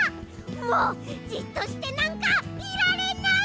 もうじっとしてなんかいられない！